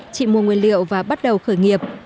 chị mua nguyên liệu và bắt đầu khởi nghiệp